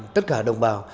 tất cả đồng bào